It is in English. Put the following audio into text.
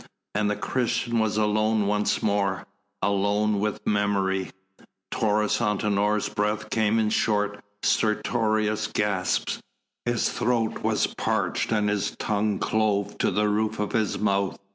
And the Christian was alone once more alone with memory. Taurus Antinor's breath came in short, stertorous gasps, his throat was parched and his tongue clove to the roof of his mouth.